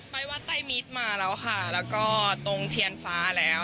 วัดไตมิตรมาแล้วค่ะแล้วก็ตรงเทียนฟ้าแล้ว